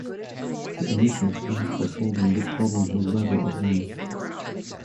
The initial plans for solving this problem were rather advanced.